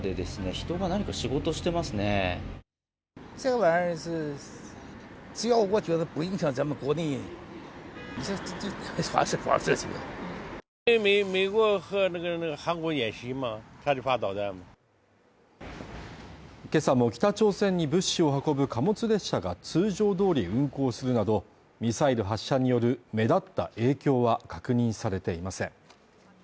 人が何か仕事してますねけさも北朝鮮に物資を運ぶ貨物列車が通常通り運行するなどミサイル発射による目立った影響は確認されていません